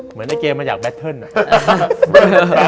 เหมือนในเกมมันอยากแบตเทิลน่ะ